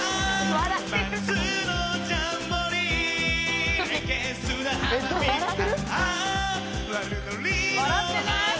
笑ってない？